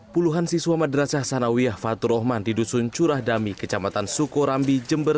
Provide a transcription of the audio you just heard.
puluhan siswa madrasah sanawiyah fatur rahman di dusun curah dami kecamatan sukorambi jember